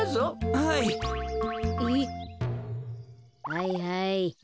はいはい。